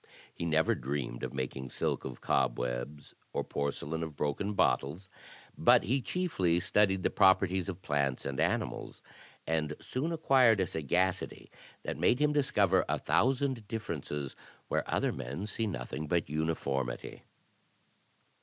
He never dreamed of making silk of cobwebs, or porcelain of broken bottles; but he chiefly studied the properties of plants and animals; and soon acquired a sagacity that made him discover a thousand differences where other men see nothing but uniformity.